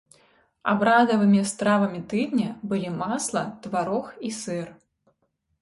Абрадавымі стравамі тыдня былі масла, тварог і сыр.